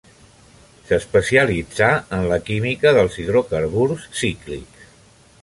S'especialitzà en la química dels hidrocarburs cíclics.